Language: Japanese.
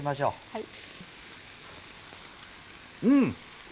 はい。